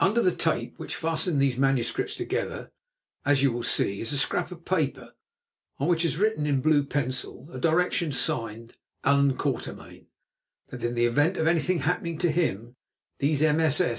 Under the tape which fastened these manuscripts together, as you will see, is a scrap of paper on which is written, in blue pencil, a direction signed 'Allan Quatermain,' that in the event of anything happening to him, these MSS.